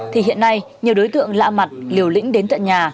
thì hiện nay nhiều đối tượng lạ mặt liều lĩnh đến tận nhà